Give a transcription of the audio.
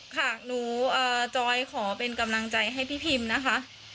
ค่ะหนูจอยขอเป็นกำลังใจให้พี่พิมนะคะ